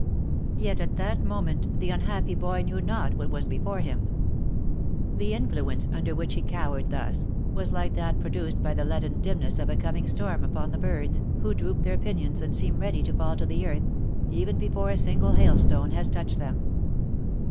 Yet at that moment the unhappy boy knew not what was before him ; the influence under which he cowered thus, was like that pro duced by the leaden dimness of a coming storm upon the birds, who droop their pinions and seem ready to fall to the earth, even before a single hailstone has touched them.